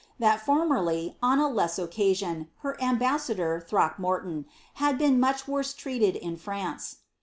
That foraierly, on a less occasion, her ambassador, Throckmorton, had been much worse treated in France."